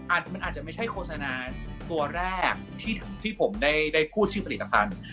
มันอาจจะไม่ใช่โฆษณาตัวแรกที่ผมได้พูดชื่อผลิตภัณฑ์